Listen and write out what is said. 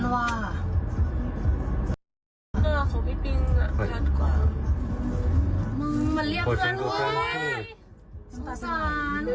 ว่าเราเป็นแฟนกันหรือเปล่า